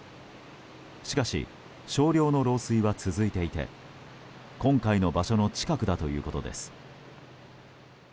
しかし、少量の漏水は続いていて今回の場所の近くだということです。